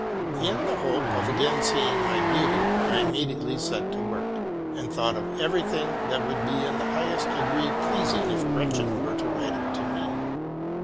In the hope of again seeing my beauty, I immediately set to work, and thought. of every thing that would be in the high est degree pleasing if Gretchen were writing it to me.